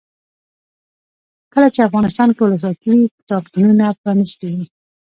کله چې افغانستان کې ولسواکي وي کتابتونونه پرانیستي وي.